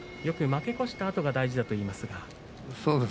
よく負け越したあとが大事だと言いますが。